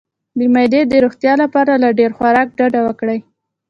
د معدې د روغتیا لپاره له ډیر خوراک ډډه وکړئ